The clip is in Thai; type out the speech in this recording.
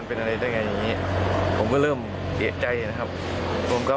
ก็เลยตามไปที่บ้านไม่พบตัวแล้วค่ะ